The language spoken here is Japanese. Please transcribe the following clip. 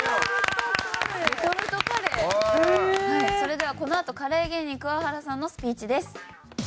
はいそれではこのあとカレー芸人桑原さんのスピーチです。